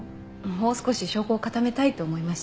もう少し証拠を固めたいと思いまして。